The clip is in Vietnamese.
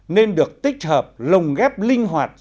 nên được tích hợp lồng ghép linh hoạt